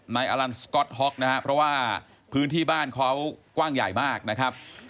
อลันสก๊อตฮ็อกนะครับเพราะว่าพื้นที่บ้านเขากว้างใหญ่มากนะครับ